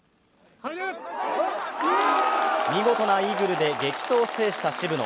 見事なイーグルで激闘を制した渋野。